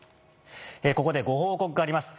ここでご報告があります